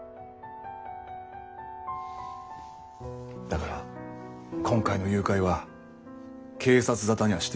だから今回の誘拐は警察沙汰にはしていない。